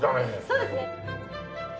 そうですね。